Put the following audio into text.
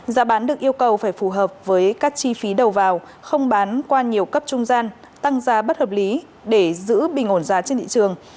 giá bán được yêu cầu phải phù hợp với các chi phí đầu vào không bán qua nhiều cấp trung gian tăng giá bất hợp lý để giữ bình ổn giá trên thị trường